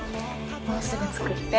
もうすぐ着くって。